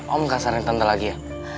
om gak sering tante lagi ya